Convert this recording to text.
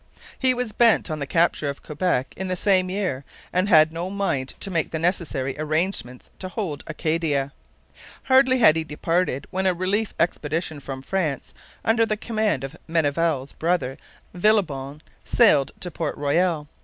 He was bent on the capture of Quebec in the same year and had no mind to make the necessary arrangements to hold Acadia. Hardly had he departed when a relief expedition from France, under the command of Menneval's brother Villebon, sailed into Port Royal.